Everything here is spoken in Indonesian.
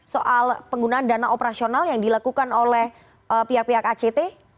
soal penggunaan dana operasional yang dilakukan oleh pihak pihak act